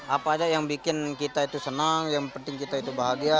apa aja yang bikin kita itu senang yang penting kita itu bahagia